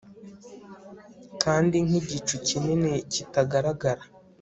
Kandi nkigicu kinini kitagaragara